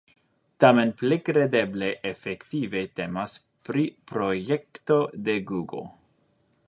Tamen plej kredeble efektive temas pri projekto de Google.